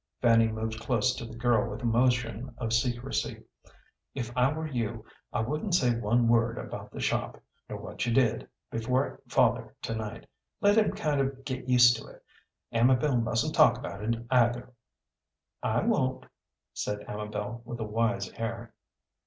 Fanny moved close to the girl with a motion of secrecy. "If I were you I wouldn't say one word about the shop, nor what you did, before father to night; let him kind of get used to it. Amabel mustn't talk about it, either." "I won't," said Amabel, with a wise air.